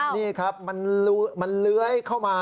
นี่ครับมันเลื้อยเข้ามา